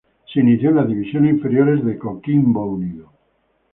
Se inició en las divisiones inferiores de Coquimbo Unido.